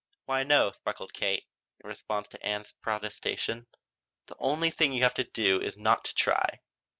"Why no," sparkled Kate, in response to Ann's protestation, "the only thing you have to do is not to try.